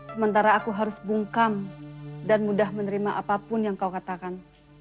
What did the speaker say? sementara aku harus bungkam dan mudah menerima apapun yang kau katakan